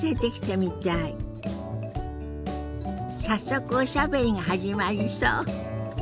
早速おしゃべりが始まりそう。